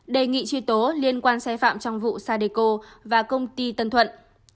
đề nghị truy tố liên quan xe phạm trong vụ sapeco và công ty tân thuận